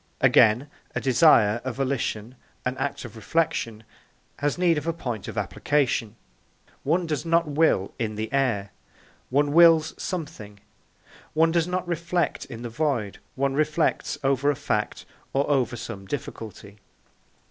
Again, a desire, a volition, an act of reflection, has need of a point of application. One does not will in the air, one wills something; one does not reflect in the void, one reflects over a fact or over some difficulty.